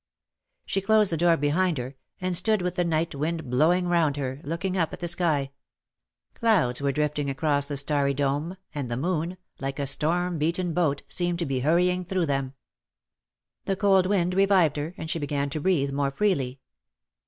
She closed the door behind her, and stood with the night wind blowing round her, looking up at the sky ; clouds were drifting across the starry 265 dome^ and the moon, like a storm beaten boat, seemed to be hurrying through them. The cold wind revived her, and she began to breathe more freely.